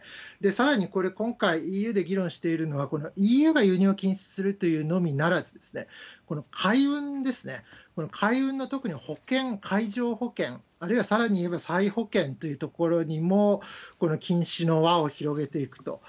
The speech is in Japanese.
さらにこれ、今回、ＥＵで議論しているのは、ＥＵが輸入を禁止するというのみならず、海運ですね、この海運の特に保険、海上保険、あるいはさらに言えば再保険というところにも、この禁止の輪を広げていくと。